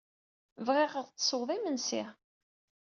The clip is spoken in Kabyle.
Bɣiɣ ad aɣ-d-tessewwed imensi.